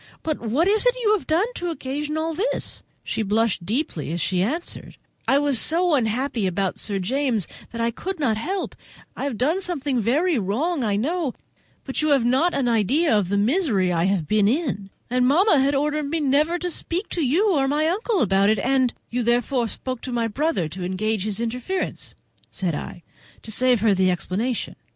But what is it you have done to occasion all this?" She blushed deeply as she answered: "I was so unhappy about Sir James that I could not help—I have done something very wrong, I know; but you have not an idea of the misery I have been in: and mamma had ordered me never to speak to you or my uncle about it, and—" "You therefore spoke to my brother to engage his interference," said I, to save her the explanation.